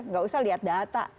nggak usah lihat data